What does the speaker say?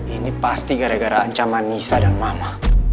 ini pasti gara gara ancaman nisa dan mama